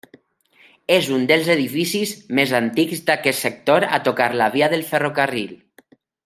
És un dels edificis més antics d'aquest sector a tocar la via del ferrocarril.